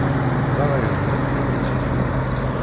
D ṛṛay-nwen i awen-tt-igan.